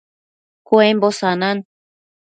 Cuembo sanan